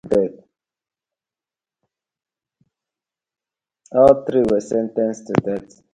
All three were sentenced to death.